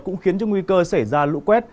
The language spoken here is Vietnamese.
cũng khiến cho nguy cơ xảy ra lũ quét